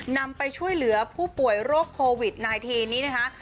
นำไปช่วยเหลือผู้ป่วยโรคโควิด๑๙นี้นะคะ